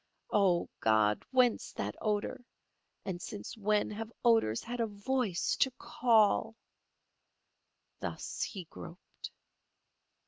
Oh, God! whence that odour, and since when have odours had a voice to call? Thus he groped.